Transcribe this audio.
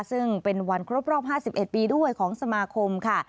ซึ่งเป็นวันครบรอบ๕๑ปีด้วยของสมาคมค่ะ